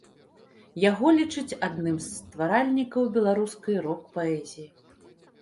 Яго лічаць адным з стваральнікаў беларускай рок-паэзіі.